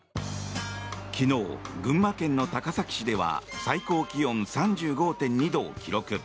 昨日、群馬県の高崎市では最高気温３５．２度を記録。